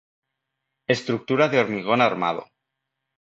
Estructura de hormigón armado.